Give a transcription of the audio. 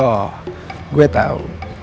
oh gue tau